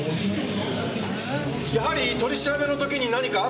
やはり取り調べの時に何かあったんですね？